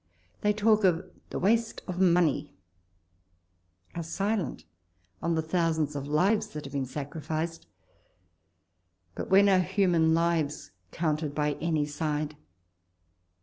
They talk of the waste of money ; are silent on the thousands of lives that have been sacrificed — but when are human lives counted by any side